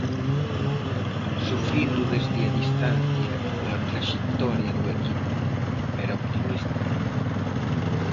Sufrindo desde a distancia pola traxectoria do equipo, pero optimista.